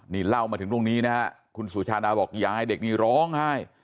นี่เล่ามาถึงตรงนี้นะฮะคุณสุชาดาบอกยายเด็กนี่ร้องไห้